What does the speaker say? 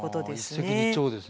一石二鳥ですね。